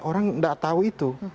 orang gak tahu itu